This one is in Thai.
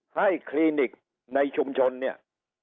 คลินิกในชุมชนเนี่ย